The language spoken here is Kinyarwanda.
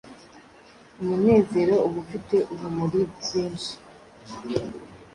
Umunezero, uba ufite urumuri rwinshi,